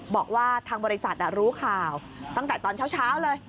บอกว่าทางบริษัทรู้ข่าวตั้งแต่ตอนเช้าเลย